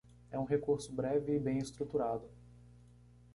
É um recurso breve e bem estruturado.